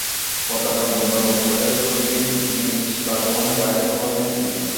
গতকাল বুধবার নতুন বছরের শুরুর দিন নিজ বাসভবনের বাইরে শপথ নেন তিনি।